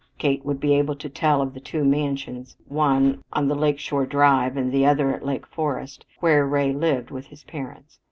Kate would be able to tell of the two mansions, one on the Lake Shore Drive, the other at Lake Forest, where Ray lived with his parents.